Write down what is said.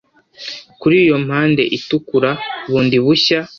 Kuri iyo mpande itukura bundi bushya